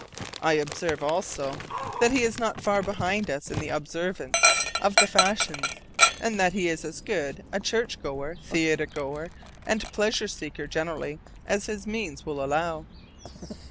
I observe, also, that he is not far behind us in the observance of the fashions, and that he is as good a church goer, theatre goer, and pleasure seeker generally, as his means will allow.